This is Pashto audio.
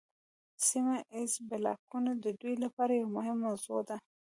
سیمه ایز بلاکونه د دوی لپاره یوه مهمه موضوع ده